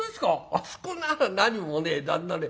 あそこなら何もね旦那ね